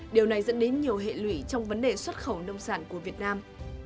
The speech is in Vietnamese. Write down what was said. điều này dẫn đến nhiều hệ lụy trong vấn đề xuất khẩu nông sản của việt nam